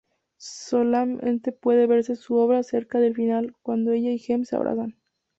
Solamente puede verse su sombra cerca del final, cuando ella y James se abrazan.